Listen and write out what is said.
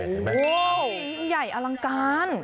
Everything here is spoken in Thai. โอ้โหใหญ่อลังการ